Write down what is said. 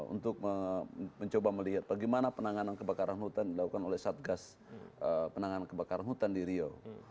untuk mencoba melihat bagaimana penanganan kebakaran hutan dilakukan oleh satgas penanganan kebakaran hutan di riau